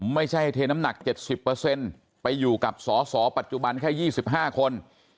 ไม่ใช่เทน้ำหนัก๗๐ไปอยู่กับสสปัจจุบันแค่๒๕คน